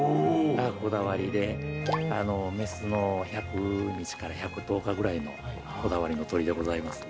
こだわりで雌の１００日から１１０日ぐらいのこだわりの鶏でございます。